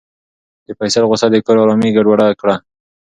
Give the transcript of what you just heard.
د فیصل غوسه د کور ارامي ګډوډه کړه.